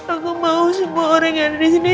aku mau semua orang yang ada disini